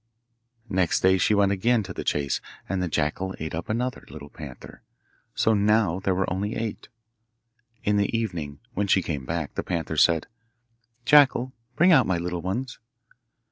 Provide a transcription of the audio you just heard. Next day she went again to the chase, and the jackal ate up another little panther, so now there were only eight. In the evening, when she came back, the panther said, 'Jackal, bring out my little ones!